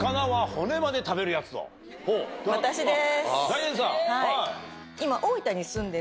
私です。